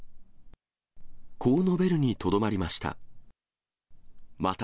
こう述べるにとどまりました。